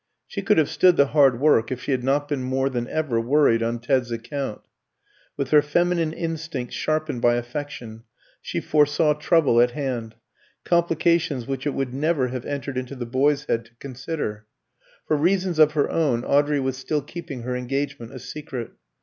She could have stood the hard work if she had not been more than ever worried on Ted's account. With her feminine instinct sharpened by affection, she foresaw trouble at hand complications which it would never have entered into the boy's head to consider. For reasons of her own Audrey was still keeping her engagement a secret.